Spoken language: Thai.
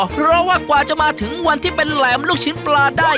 เพราะว่ากว่าจะมาถึงวันที่เป็นแหลมลูกชิ้นปลาได้